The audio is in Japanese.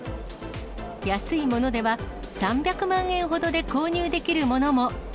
安いものでは３００万円ほどで購入できるものも。